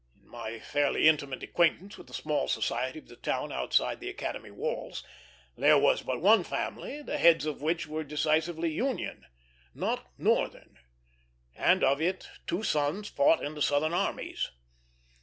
In all my fairly intimate acquaintance with the small society of the town outside the Academy walls, there was but one family the heads of which were decisively Union not Northern; and of it two sons fought in the Southern armies.